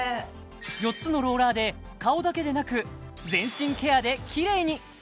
４つのローラーで顔だけでなく全身ケアできれいに！